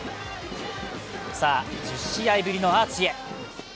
さあ、１０試合ぶりのアーチへ。